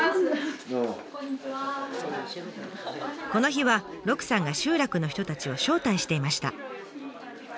この日は鹿さんが集落の人たちを招待していました。